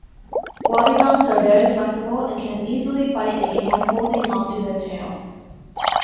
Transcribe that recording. Wobbegongs are very flexible and can easily bite a hand holding onto their tail.